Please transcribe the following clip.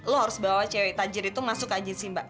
lo harus bawa cewek tajir itu masuk agensi mbak